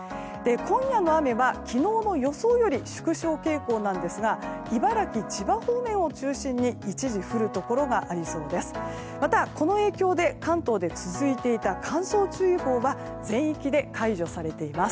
今夜の雨は昨日の予想より縮小傾向なんですが茨城、千葉方面を中心に一部降るところがありそうです。